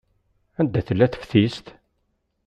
Anda tella teftist?